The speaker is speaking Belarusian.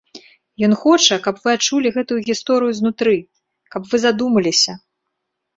Ён хоча, каб вы адчулі гэтую гісторыю знутры, каб вы задумаліся.